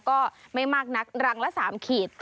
ก็ไม่มากนักรังละ๓ขีด